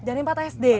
jadi empat sd